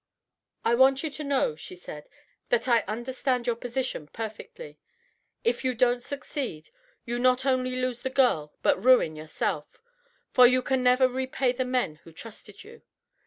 "I want you to know," she said, "that I understand your position perfectly. If you don't succeed, you not only lose the girl but ruin yourself, for you can never repay the men who trusted you.